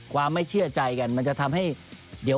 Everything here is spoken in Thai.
ความไม่เชื่อใจกันมันจะทำให้